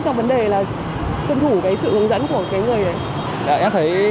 cho vấn đề là tuân thủ cái sự hướng dẫn của cái người ấy